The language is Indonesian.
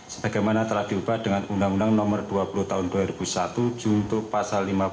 sebagaimana telah diubah dengan undang undang nomor dua puluh tahun dua ribu satu junto pasal lima puluh lima ayat satu ke satu kuhp